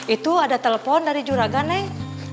itu ada telepon dari juraga neng